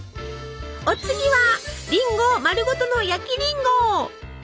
お次はりんご丸ごとの焼きりんご。